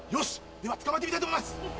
では捕まえてみたいと思います。